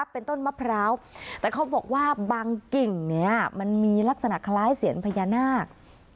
เป็นต้นมะพร้าวแต่เขาบอกว่าบางกิ่งเนี่ยมันมีลักษณะคล้ายเสียนพญานาค